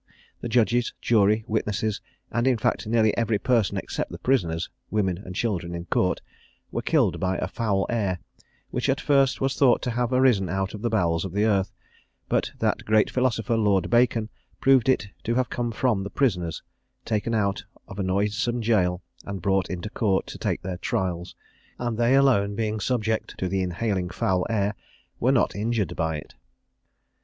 The judges, jury, witnesses, and in fact nearly every person except the prisoners, women, and children, in court, were killed by a foul air, which at first was thought to have arisen out of the bowels of the earth; but that great philosopher, Lord Bacon, proved it to have come from the prisoners, taken out of a noisome jail, and brought into court to take their trials; and they alone, being subject to the inhaling foul air, were not injured by it.